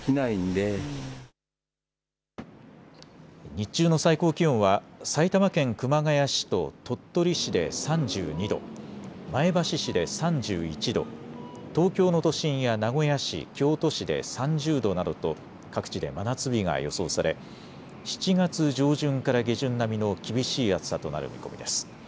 日中の最高気温は埼玉県熊谷市と鳥取市で３２度、前橋市で３１度、東京の都心や名古屋市、京都市で３０度などと各地で真夏日が予想され７月上旬から下旬並みの厳しい暑さとなる見込みです。